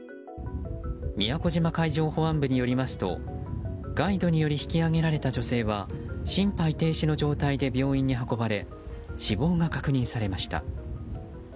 宮古島海上保安部によりますとガイドにより引き揚げられた女性は心肺停止の状態で病院に運ばれ死亡が確認されました。